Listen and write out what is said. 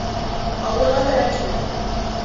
Алырға кәрәк ине.